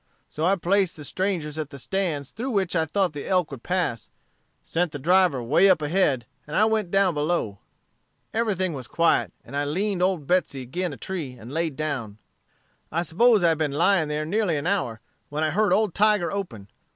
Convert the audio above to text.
So I placed the strangers at the stands through which I thought the elk would pass, sent the driver way up ahead, and I went down below. "Everything was quiet, and I leaned old Betsey 'gin a tree, and laid down. I s'pose I had been lying there nearly an hour, when I heard old Tiger open.